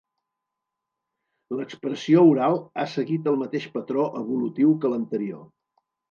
L'expressió oral ha seguit el mateix patró evolutiu que l'anterior.